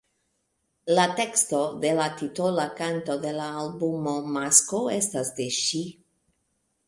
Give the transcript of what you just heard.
La teksto de la titola kanto de l‘ albumo „Masko“ estas de ŝi.